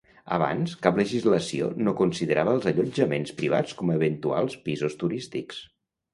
Abans, cap legislació no considerava els allotjaments privats com a eventuals pisos turístics.